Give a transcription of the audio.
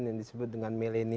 yang disebut dengan milenial